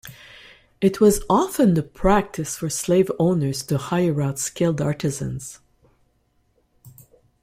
It was often the practice for slave owners to hire out skilled artisans.